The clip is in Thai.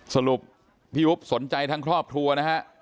สรุปพี่อุ๊บสนใจทั้งครอบครัวนะฮะ